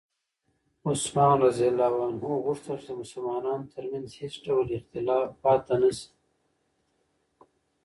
عثمان رض غوښتل چې د مسلمانانو ترمنځ هېڅ ډول اختلاف پاتې نه شي.